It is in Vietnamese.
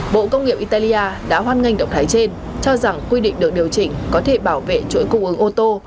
bộ công nghiệp italia đã hoan nghênh động thái trên cho rằng quy định được điều chỉnh có thể bảo vệ chuỗi cung ứng ô tô